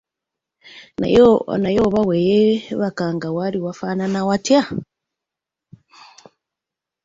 Naye oba we yeebakanga waali wafaanana watya?